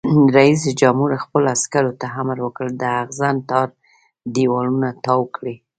رئیس جمهور خپلو عسکرو ته امر وکړ؛ د اغزن تار دیوالونه تاو کړئ!